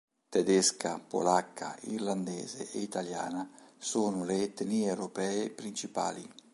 Tedesca, polacca, irlandese e italiana sono le etnie europee principali.